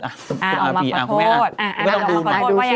อ่าออกมาขอโทษว่ายังไง